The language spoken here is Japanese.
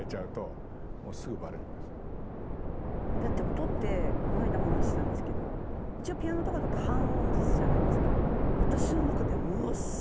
だって音ってこの間も話してたんですけど一応ピアノとかだと半音ずつじゃないですか。